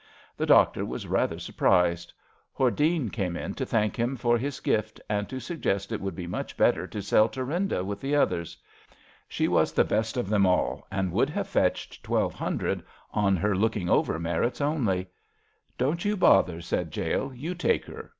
The doctor was rather sur prised. Hordene came in to thank him for his gift, and to suggest it would be much better to sell Thuri/nda with the others. She was the best of them all, and would have fetched twelve hundred on her looking over merits only. *^ Don't you bother," said Jale. You take her.